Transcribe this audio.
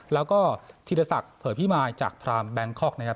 แล้วก็ธีรศักดิ์เผยพิมายจากพรามแบงคอกนะครับ